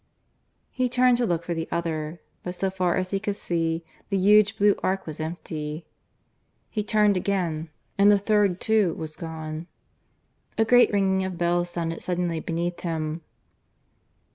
... He turned to look for the other; but, so far as he could see, the huge blue arc was empty. He turned again; and the third too was gone. A great ringing of bells sounded suddenly beneath him.